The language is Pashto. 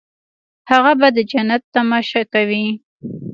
هغه به د جنت تماشه کوي.